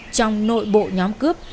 trong nội bộ nhóm cướp